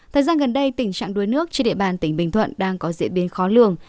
thời gian gần đây tình trạng đuối nước trên địa bàn tỉnh bình thuận đang có diễn biến khó lường